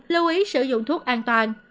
lưu ý sử dụng thuốc an toàn